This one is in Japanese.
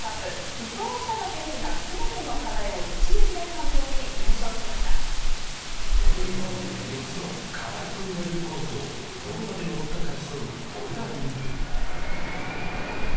伊藤ふたば選手がすべての課題を４つの課題と呼ばれるコースをどこまで登ったか競うボルダリング。